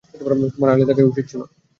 তোমার আড়ালে থাকাই উচিত ছিল।